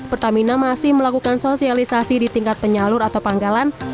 pertamina masih melakukan sosialisasi di tingkat penyalur atau pangkalan